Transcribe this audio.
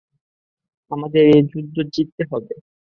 আমাদের এই যুদ্ধে জিততে হবে।